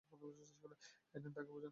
Eden, তাকে বুঝান।